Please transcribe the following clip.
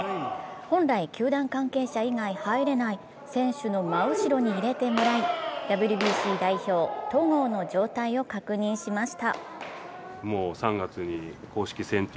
本来、球団関係者以外は入れない、選手の真後ろに入れてもらい、ＷＢＣ代表・戸郷の状態を確認しました。